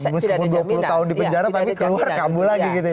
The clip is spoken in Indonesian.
bisa kambuh dua puluh tahun di penjara tapi keluar kambuh lagi gitu ibu